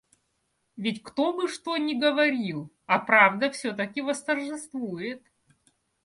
Ведь кто бы что ни говорил, А правда всё-таки восторжествует.